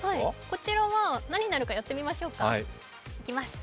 こちらは、何になるかやってみましょうか。